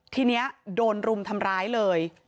ทีนี้โดนรุมทำร้ายเลย